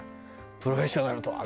「プロフェッショナルとは？」